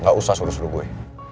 gak usah suruh suruh gue